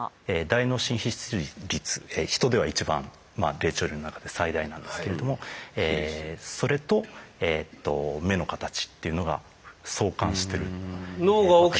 「大脳新皮質率」ヒトでは一番まあ霊長類の中で最大なんですけれどもそれとえと目の形っていうのが相関してる。